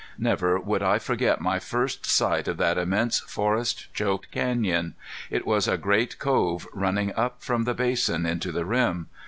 Never would I forget my first sight of that immense forest choked canyon. It was a great cove running up from the basin into the rim.